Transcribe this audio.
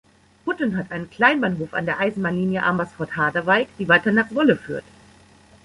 Putten hat einen Kleinbahnhof an der Eisenbahnlinie Amersfoort–Harderwijk, die weiter nach Zwolle führt.